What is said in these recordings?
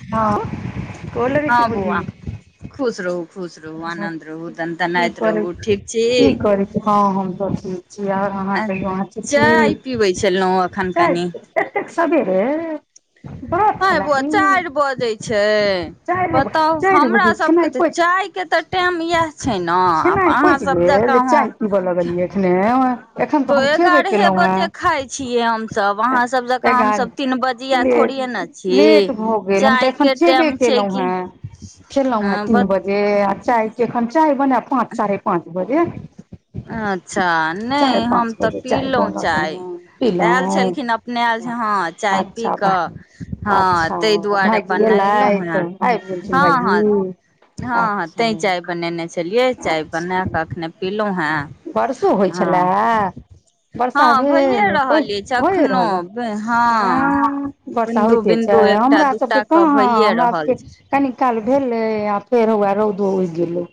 हँ, गोर लागेय छै, भौजी। खुश रहू, खुश रहू, आनन्द रहू, दनदनाइत रहू ठीक छी? हँ, हम तऽ ठीक छै आर अहाँ कहियो ठिक छै। एतेकऽ सबेरे व्रत छला कि चारि चारि बजे खेनाय पै। खेनाय पाचि गेल जे चाय पीबऽ लगलियै एखने। तो एगारहे बजे खााय छियै, हमसभ अहाँ सभ जकाँ हमसभ। तीन बजिया थोड़ी ने छी चायके टाइम छै कि। खेलहुँ हे तीन बजे आ चायके एखन चाय बना पाँच साढ़े पाँच बजे। अच्छा, नहि हम तऽ पीलहुँ चाय। आयल छलखिन अपने आयल तलकीन चाय पी कऽ। हँ, तहि दुआरे बनेनु नेहेलौ हन। हँ, तऽ चाय बनेने छलियै चाय बना कऽ अखने पिलौं ह। बरसो होइ छलऽ। वर्षा भेल की होय रहल। वर्षा होइते छै, हमरा सभके कहाँ हमरा सभके कनी काल भेलै आ फेर हौवा रौद उगि गेलै।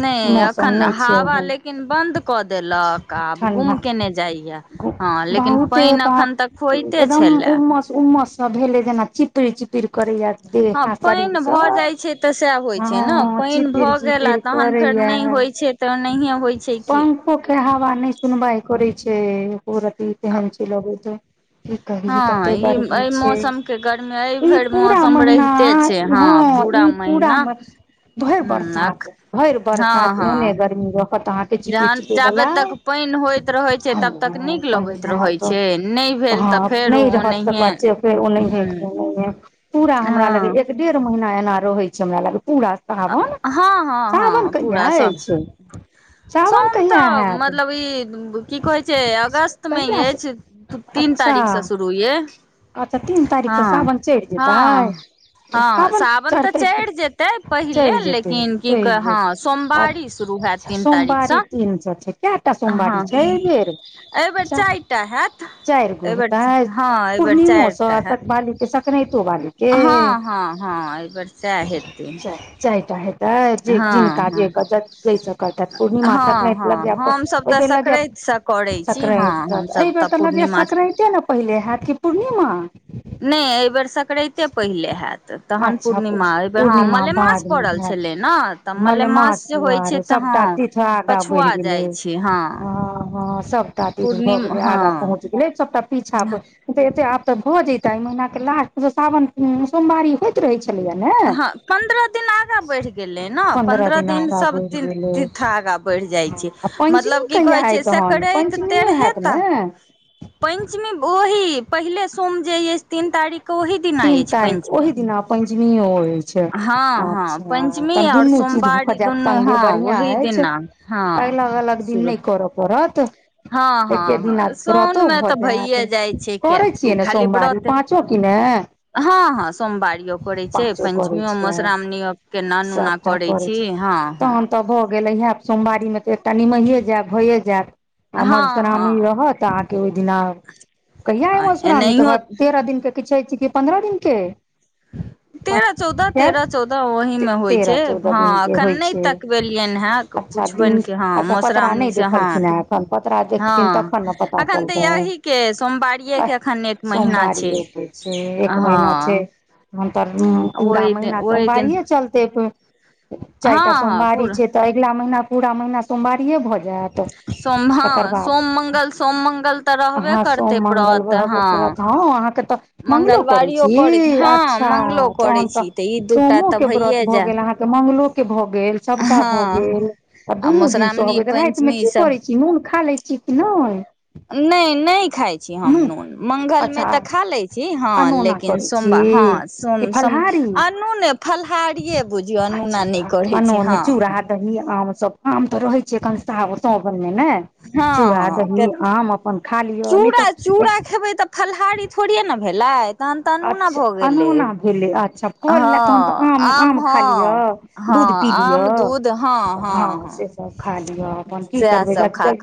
नहि एखन हवा लेकिन बन्द कऽ देलक आब गुम केने जाइया। हँ, लेकिन पाइन एखन तक होइते छलऽ उमस सभ भेलै जेना चिपड़ चिपड़ करैया देह हाथ शरीर सभ। छै ते सैह होइ छै। ह, चिपिर चिपिर करै या। पंखो नै सुनवाइ करै छै, ओ रति तेहन छैबे हँ, ई एहि मौसमके गर्मी एहि भरि मौसम रहिते छै हँ पू। पूरा महीना। भरि बरसात भरि बरसात एहने गर्मी रहत अहाँकेँ कहै छै। बेच बला, ह, पंख। नहि रहत ताइके बाद जेबे ऑनेहे क। पूरा हमरा लगे एक डेढ़ महीना एना रहै छै, हमरा लाग पूरा। हँ, हँ, हँ पूरा सभ सौन तऽ मतलब ई कि कहैत छै, अगस्तमे अछि। तीन तारीखसँ शुरू य। अच्छा तीन तारीखसे सावन चढ़ि जेतै सावन चढ़तै। चढ़ि जेतै, लऽ जेतै सोमवारी तीन सऽ। कैएटा सोमवारी छैऐ बेर। चारिगो होतै पूर्णिमो सक बालीके कनैतो बाज़ीके हँ, हँ, एहि बेर च चाइर का हेतै त जे जिनका जे के जै से करतैथ‌पूर्णिमा संक्रैत लगैए आय बेर लगैय संकरायत एहिबेर तऽ लगैय सकरायते ने पहिले हैयत कि पूर्णिमा नहि एहिबेर सकरायते पहिले होयैत तहन पूर्णिमा हँ मलेमास पड़ल छलै ने तऽ मलेमास जे होइ छै तऽ हँ अछा आगा बढ़ि गेलै ह ह सबटा भीध भऽ गेलै आगा पहुँच गेलै सबटा पीछा तऽ एते आब तऽ भऽ जइता एहि महीनााके लास्ट त सावन सोमवारी होइत रहैत छलैया हँ पन्द्र दिना आगा बढ़ गेले ने पंद्रह दिन सब ती तीर्थ आगा बढ़ जाय छै आ पञ्चमी कहिया अयतहन पञ्चमियो हैत ने पंचमी ओहि पहिले सोम जे अछि तीन तारीख के ओहि तीन तारिख के ओहि दिना पञमीयो अय अच्छा अच्छा त‌दुनू चीज भऽ जायत संगें बढ़िआँ अछि अइ लग अलग दिन नहि करऽ पड़त एकके दिना व्रतो भऽ जायत करै छियै ने सोमवारी पाँच चौकि ने हँ हँ सोमवारियो करैत छै पञ्चमियो मधश्रावणी के न अनूना करैत छी हँ हँ तऽ भऽ गेलै हा सोमवारी मे तऽ एकटा निमहिेए जायब भएए जायब आ मधुश्रामी रहत अहाँके ओहि दिना कहिया ए मधुश्रावनी बाद तेरह दिनके किछु होै छै कि पन्द्रह दिनके [unintelligible] तेरह चौदह दिनके होइ छै अच्छा दिन एतऽ पतरा नहि देखलखिन हेब तन पतरा देखथिन तखन ने पता चलतै है सोमवारिओ के छै एक महीना छै हम तर पूरा महीना सोमवारिए चलते चैटा सोमवारी छै तऽ अगिला महिना पूरा महीना सोमवारिए भऽ जायत सोम हँ सोम मंगल सोम मंगल तऽ रहबे करतै व्रत हँ मंगलवार करै छी अच्छा तहन तऽ सोमो के व्रत भऽ गेलह तऽ मंगलो के भऽ गेल सभदा भऽ गेल आ दुनू दिन सहबे तऽ राति मे की करै छी नून खा लै छी नय नहि नहि खाइ हम नून मंगलमे तऽ खा लै छी हँ लेकिन सोमवार हँ सो सो अनूने फलाहारिए बुझियौ अनूना नहि करै छी हँ दसी आम सब आम तऽ रहै छैखनस सोन मे ने चूड़ा दही आम अपन खा लिअ नहि तऽ खेबै तऽ फलहारी थोड़िये ने भेलै अच्छा अनौना भेलै अच्छा फल लए तहन तऽ आम आम खा लिअ दूध पी लिअ हँ से सब खा लिअ अपन की करबै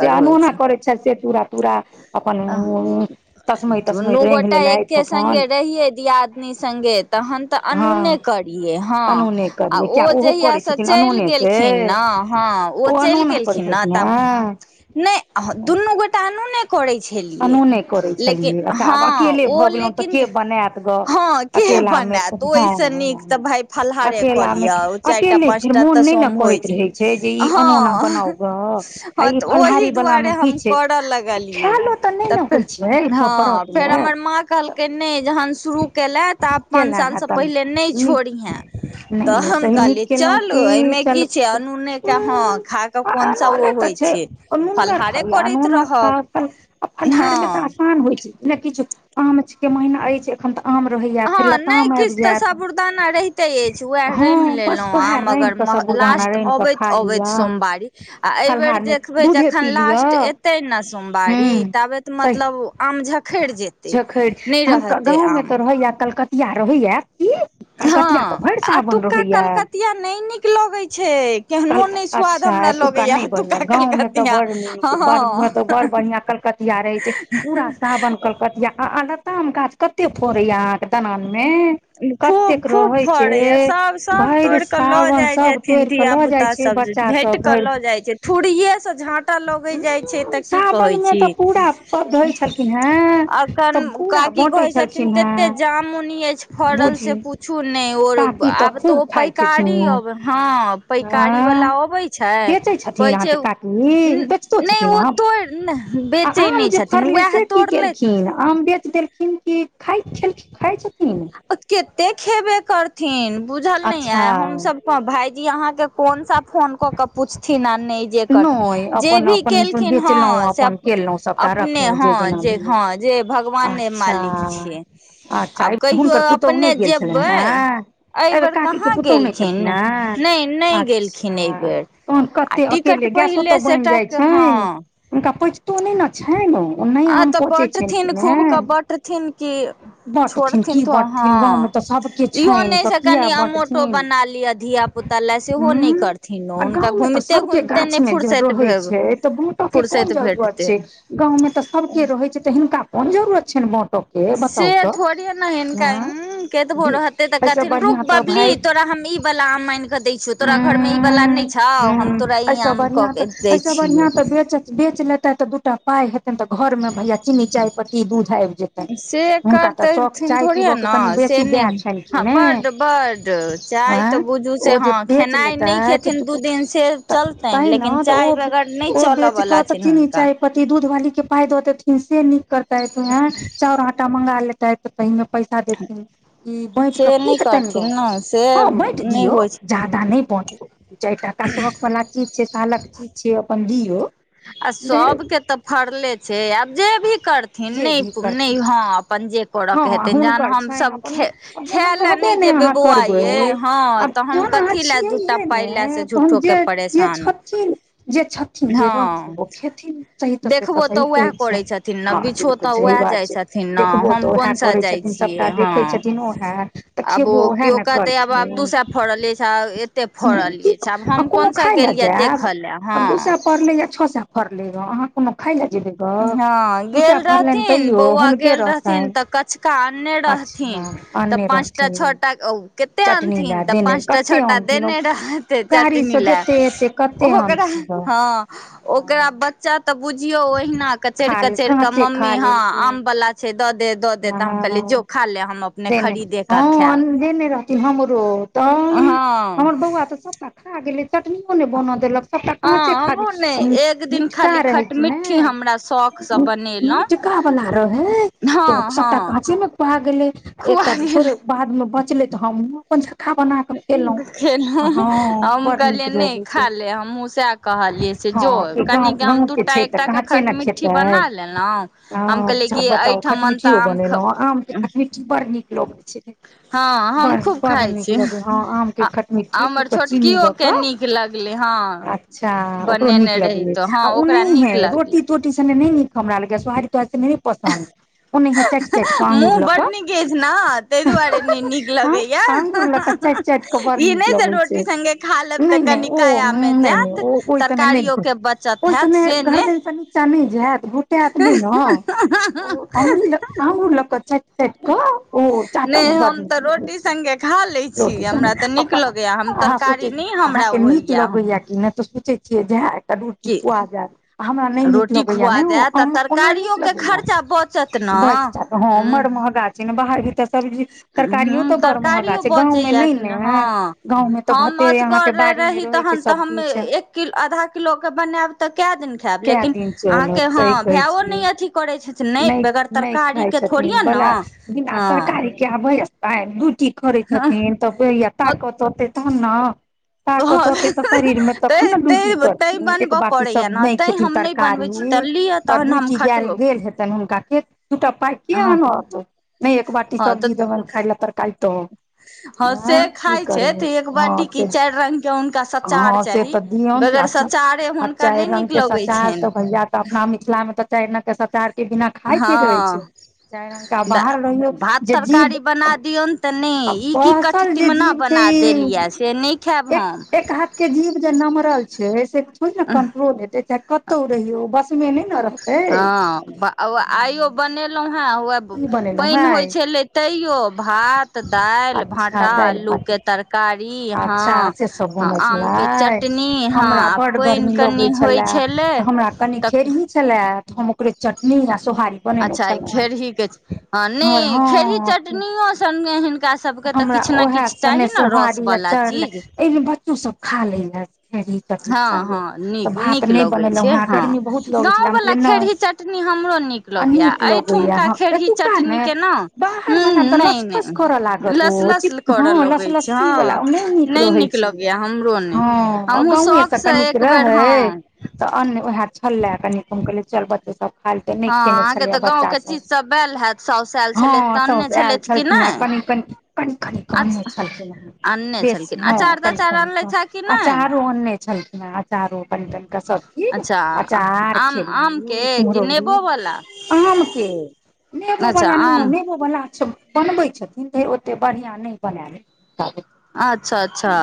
जे अनोना करै छथि से चूरा तूरा अपन तस्मै तस्मै रैन लेलैथ अपन नी संगे तहन तऽ अनूने करियै हँ आ ओ जहिया से चलि गेलखिन ने हँ ओ चलि गेलखिन ने त नय दुनू गो करइ छलियै लेकिन हँ ओ लेकिन हँ के बनायत ओहिसँ नीक तऽ भाय फलहारे कऽ लियअ ओ चारिटा पाँच टा तऽ सोम होइ छै हॅं हॅं अहि दुआरें हम कऽ कड़ा लगा लियए हँ फेर हमर माँ कहलकइ नहि जहन शुरू केलथि तऽ आब पाँच सालसँ पहिले नइ छोड़िहेँ तऽ हम कहलियै चलू एहिमें की छै अनूने के हँ खा कऽ कोन सा ओ होइ छै नुनगर खाउ नुना खाउ फलहार मे तऽ पान होइ छय किछु आम के महीना रहय छय हँ नय किछु तऽ साबुदाना रहिते अछि उएह रान्हि लेलहुँ आ अगर लास्ट अबैत अबैत सोमवारी आ एहि बेर देखबै जे जखन लास्ट तैं ने सोमवारी ताबेत मतलब आम झखड़ जेतै नहि रहत गाँव में तऽ रहैया कलकतिया रहैया की हँ एतुका कलकतिया नइ नीक लगे छै केहनो नहि अच्छा एतुका नइ बढ़ियां गावं तऽ बड़ नीक बड़ब बड़ बढ़िया कलक किया रहय छै पूरा सावन कलकतिया आ अलत्ता मे गाछ कते फोड़े या अहाँके तनान में कतेक रहय छै भरि सावन सब तोड़ कऽ लऽ जाइ छै बच्चा सब उह सावन मे त पूरा पब धोई छलखिन हैं तऽ पूरा बाँटे छलखिन तत जामुन अइछ फड़ल से पूछू नहि ओर आब तऽ ओ पैकारी अब हँ पैकारी बला अबै छै कहैत छै नहि ओ तोइर ने बेचै नहि छथिन वएह तोड़लथि आम बेच देलखिन की खाइत छलखिन खाइत छथिन कते खेबे करथिन बुझल नय य हमसभ भाईजी अहाँ के कोन सा फोन कऽ के पूछथिन आ नहि जे भी केलखिन हँ से अपने हँ जे हं जे भगवाने मालिक छियै आब कहियो अपने जेबइ एहि बेेर कहाँ गेलखिन नइ नइ गेलखिन एहिबेर आ टिकट पहि सेटा हँ हुनका पचतो नय ने छैन झनै आम तऽ ओन न छ ने ओन नहि हम पचे छ खूब कऽ बटथिन की छोड़थिन तो हँ इहो नइ से कनि अमोटो बना लिअ धिया पुता पुता लए सेहो नहि करथिन ओ हुनका घुमिते घुमिते नय फुरसति भेलब फुुरसतऽ भेटतय गाँव में तऽ सभके रहैत छै तऽ हिनका कोन जरूरत छनि बाँटोक से थोड़ी हं ने हिनका केतवो रहते तऽ कहथिन रुख बबली तोरा हम ई वला आम आन के दै छौ तोरा घर मे ई वाला नहि छौ हम तोरा ई आम कऽ के ऐसे बढ़ियां तऽ बेचत बेच लेतै तऽ दूटा पाइ हेतइन तऽ घर में भैया चीन्नी चायपत्ती दूध आबि जेतै हुनका तऽ शौख चाह पीबय के कनि बेसी वैर छनि कि नहि हँ ओ जे बेच लेता है तँ तहि ने तऽ ओ ओ बेच कऽ तऽ चीनी चाय पत्ती ई दूध वाली के पाय द देेथिन से नीक करतैथ चौर आटा मंगा लेत तऽ तामे पैसा देथिन ई बाँट कऽ की हेतैन गाँ हँ बाँट दियौ ज्यादा नहि बाँटो चारि टाका शौक वाला चीज छै कालक चीज छिय अपन दियौ आ सभके तऽ फड़ले छै आब जे भी करत नै नै हां अपन जे करऽके हेतनि जहन हमसभ ख खाए लए नहि जेबै बौआ अइ हँ त तऽ हम कथी लए दूटा पाइ लए से झू्ठो के परेशान देखबो त उहे करैय छथिन न बिछहो त उहे जाय जथिन न कोन सा जाइ छियै ह आबओ किओ कहतेजे दू सए फड़ल अच्छा एते फड़ल य छै आब हम कोनस गेलियै देखऽ लए हँ छ सए फरलैग हँ गेल रहथिन बौआ गेल रहथिन तऽ कछ काने रहथिन तऽ पाँचटा छटा कते अनथिन तऽ पाँचटा छटा दे ने रहतै चटनि लै ओहो केत हँ ओकरा बच्चा तऽ बुझियौ ओहिना कऽ चैरकऽ चैरकऽ मम्मी हँ आमवला छै दऽ दे दऽ दे तऽ हम कहलियै जो खा लए हम अपने खरीदे केऽ खैएब हमरो त हमर बौआ तऽ सबटा खा गेलै चटनियो नै बन देलक सबटा कचे खा मिटका रहै मिठका बला रहै त सबटा समे भए [unintelligible] गेलै एकटा थोड़े बाद मे बचलै तऽ हमहुँ खेलौहु हम कहलियै नहि खा ले हमहु सेए कहलियै से जो कनि गाम दू एकटा एकटा खटमट्ठी बना लेलौं हम कहलियै कि एहिठमन तऽ आम बड़ नीक लगै छै बड़ बड़ नीक लगैे हाँ आम के खट मिटठी चीनी दकऽ अच्छा ओकरो निकल न है रोटी तोटी सने नहि नीक हमरा लग सोहारी तोहारी नहि पसन्द ओनैहे चाटि चाटि कऽ आंगुर ल क आंगूर ल क चै चैटक बड़ नीक लगै छै नइ नइ ओ नइ नइ ओ ओइ संगे नइ ओइ समे घरदैन दसँ नीचा नइ जायत घोटाएत नइ न ओ अ अंगूल ल क चैटि चैट कऽ ओ चाट मे बदनाम लगै संगे खा लै रोटि सने अपन अहाँ सोचैत अहाँ के नीक लगैया नहि तऽ सोचै छियै जे ह एटा दु किछु [unintelligible] आ जायत आ हमरा नइ नीक लगैए ने ओ ओना नीक लगैए बचजात हँ मर महगा छै ने बाहर भी तऽ सब्जी तरकारियो तऽ बड़ महगा छै गाँंमे नहि नै ने गाँंमे तऽ भतेरे अहाँके बाड़ी मे रहै छै सब किछ एक किल आधा कि एक किलो के बनाएब त कैए दिन खाएब लेकिन आहां के हं भायो न अथि करै छथ नइ वेगैर तरकारी के थोड़िए न हँ भैया ड्यूटी करइ छथिन तऽ भैया ताकत औते तहन ने ताकत औते तऽ शरीर में तखन ने दूटी करथिन सब नय खेथिन तरकारी त टी ग गेल हेतइन हुनका के दूटा पा के आनत नइ एक बाटी सब्जी देबइन खायइल तरकारी त हं की करबै हँ से हँ से तऽ इ आम के अचार आ चाइर रंग के सचार त भैया त अपना मिथिला में तऽ चारि रंग के सचार के बिना खायके रहै छै चाहे आहाँ बाहर रहियौ जे जीव आ बहसल जे जीव छै एक एक हाथ के जीव जे नॉरमल छै से किछु ने कंट्रोल हेतै चाहे कतहु रहियौ बसमे नहि ने रहतै हँ ब आ आइयो बनेलहुं हैं पइन होइत छलै तैयो भात दालि भाँटा अल्लू के तरकारी हं आम के चटनी हं आ पइन कनि होइ छलै तऽ छलए तो हम ओकरे चटनी अआ सोहारी बनेने छलौं ह ठीक ह नहि खेरी चटनी हका सबके तऽ किछु ने किछु चाही ने रस वला चीज ए में बच्चो सब खा लेय कढ़ी चटनी संगे तऽ भात नहि बनेलहुं हेँ गर्मी बहुत लगै छलै कह नहि आ नीक लगैया हं एतुका ने बाहर वला तऽ लसफस करऽ लागत उ ह ल लसी वाल ओ नय नीक रहै छ ह हमहुं शौक से एकबेर हं तऽ अन्न उएह छल ले कनि कहलै चल बच्चे ख छल बच्चा सब छलखना कनि कनि कनी कनिक अनने छलखिन हं बेस हँ कनि कनि अचारो अनने छलखिन अचारो बनि बनि का सबचीज अचार खेरही कुम्हरो आम के नेबो वला न ने वला बनबइ छथिन ओते बढ़िआं नहि बनाय लन तब अच्छा अच्छा